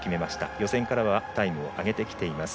予選からはタイムを上げてきています。